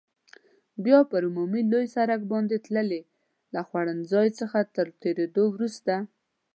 بیا پر عمومي لوی سړک باندې تللې، له خوړنځای څخه تر تېرېدو وروسته.